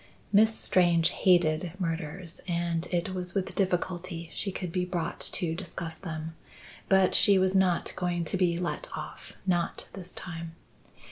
Miss Strange hated murders and it was with difficulty she could be brought to discuss them. But she was not going to be let off; not this time.